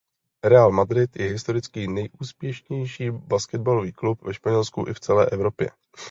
Real Madrid je historicky nejúspěšnější basketbalový klub ve Španělsku i v celé Evropě.